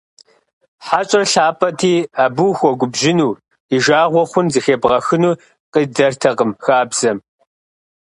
ХьэщӀэр лъапӀэти, абы ухуэгубжьыну, и жагъуэ хъун зыхебгъэхыну къидэртэкъым хабзэм.